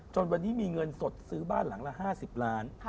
วันนี้มีเงินสดซื้อบ้านหลังละ๕๐ล้าน